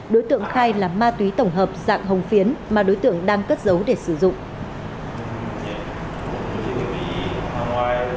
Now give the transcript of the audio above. đối tượng khai là ma túy tổng hợp dạng hồng phiến mà đối tượng đang cất giấu để sử dụng